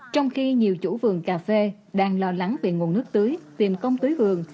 trong khi nhiều chủ vườn cà phê đang lo lắng về nguồn nước tưới tìm công tưới vườn